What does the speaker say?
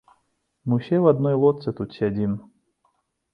Мы ўсе ў адной лодцы тут сядзім.